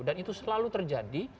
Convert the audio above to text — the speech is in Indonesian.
dan itu selalu terjadi